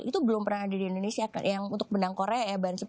itu belum pernah ada di indonesia yang untuk benang korea ya ban